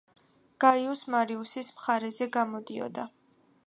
გაიუს მარიუსის მხარეზე გამოდიოდა.